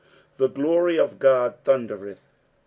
" The gli>ry of Ood thundereth.'"